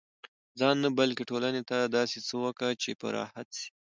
ځان نه، بلکي ټولني ته داسي څه وکه، چي په راحت سي.